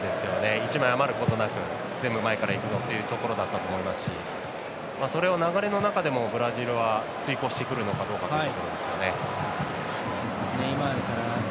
１枚余ることなく全部、前からいくぞということだと思いますしそれを流れの中でもブラジルは遂行してくるのかどうかというところですよね。